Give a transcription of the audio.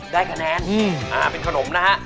ได้คะแนนเป็นขนมนะฮะ